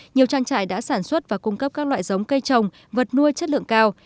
nhiều trang trại đã sản xuất và cung cấp các loại giống cây trồng vật nuôi chất lượng cao